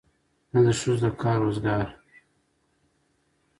نه د ښځو د کار روزګار.